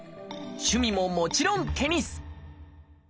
趣味ももちろんテニス！